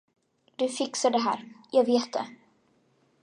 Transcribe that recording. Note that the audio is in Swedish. Du fixar det här, jag vet det.